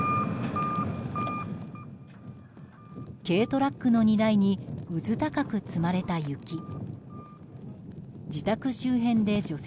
軽トラックの荷台にうず高く積まれた雪。